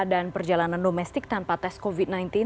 perjalanan domestik tanpa tes covid sembilan belas